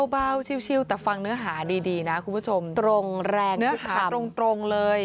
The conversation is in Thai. เบาชิวแต่ฟังเนื้อหาดีนะคุณผู้ชมตรงแรงเนื้อขาตรงเลย